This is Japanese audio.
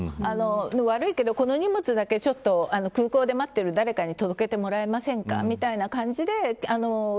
悪いけど、この荷物だけ空港で待っている誰かに届けてもらえませんか、みたいな感じで。